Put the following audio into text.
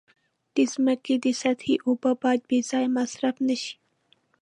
د ځمکې د سطحې اوبه باید بې ځایه مصرف نشي.